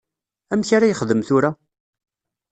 Amek ara yexdem tura?